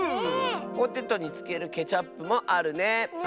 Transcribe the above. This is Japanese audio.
ポテトにつけるケチャップもあるね。